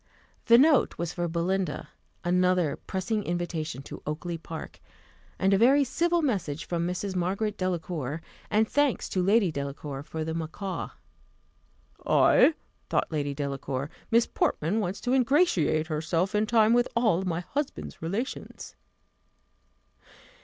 The note was for Belinda another pressing invitation to Oakly park and a very civil message from Mrs. Margaret Delacour, and thanks to Lady Delacour for the macaw. Ay, thought Lady Delacour, Miss Portman wants to ingratiate herself in time with all my husband's relations.